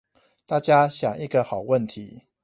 大家想一個好問題